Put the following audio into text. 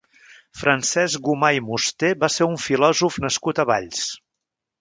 Francesc Gomà i Musté va ser un filòsof nascut a Valls.